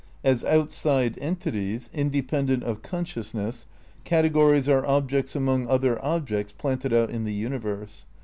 As outside entities, independent of tie of consciousness, categories are objects among other cat» objects planted out in the universe.